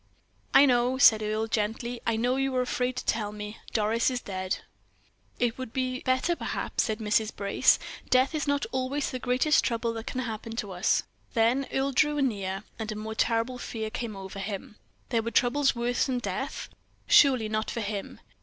"I know," said Earle, gently. "I know; you are afraid to tell me; Doris is dead." "It would be better, perhaps," said Mrs. Brace; "death is not always the greatest trouble that can happen to us." Then Earle drew nearer, and a more terrible fear came over him. There were troubles worse than death! Surely not for him.